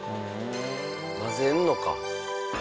混ぜんのか。